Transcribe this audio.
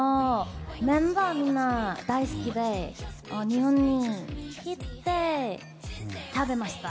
メンバーみんな、大好きで日本に来て食べました。